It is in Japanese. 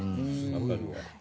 わかるわ。